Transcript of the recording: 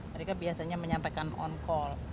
mereka biasanya menyatakan on call